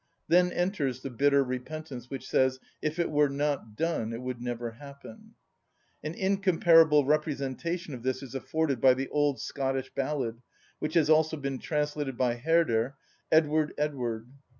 Then enters the bitter repentance, which says, "If it were not done it would never happen." An incomparable representation of this is afforded by the old Scottish ballad, which has also been translated by Herder, "Edward, Edward."